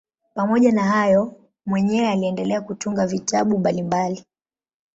Pamoja na hayo mwenyewe aliendelea kutunga vitabu mbalimbali.